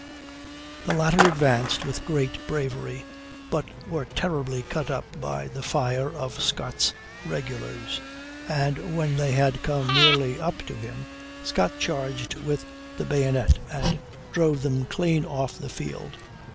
The latter advanced with great bravery, but were terribly cut up by the fire of Scott's regulars; and when they had come nearly up to him, Scott charged with the bayonet and drove them clean off the field.